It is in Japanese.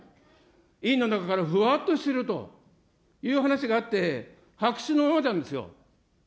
委員の中からふわっとしてるという話があって、白紙のままなんですよ。